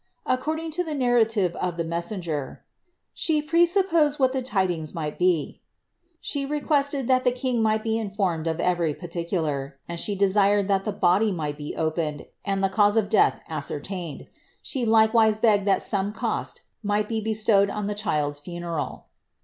According to the narrative of the messenger, ^^ she pre supposed what the tidings might be ;" she requested that the king might be informed of every particular, and she desired that the body might be opened, and the cause of death ascertained ; she likewise begged that some cost might be bestowed on her child's funeral.'